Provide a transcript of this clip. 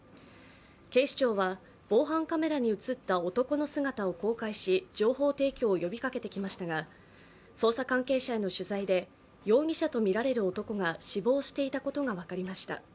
警視庁は防犯カメラに写った男の姿を公開し情報提供を呼びかけてきましたが捜査関係者への取材で容疑者とみられる男が死亡していたことが分かりました。